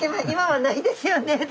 今はないですね